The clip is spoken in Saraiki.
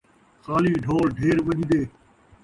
خالی ڈھول ڈھیر وڄدے